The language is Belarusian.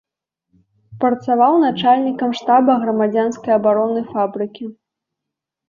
Працаваў начальнікам штаба грамадзянскай абароны фабрыкі.